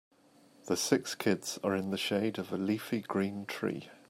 The six kids are in the shade of a leafy green tree.